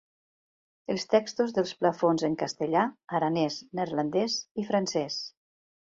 Els textos dels plafons en castellà, aranès, neerlandès i francès.